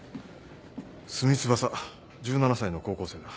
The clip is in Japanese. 鷲見翼１７歳の高校生だ。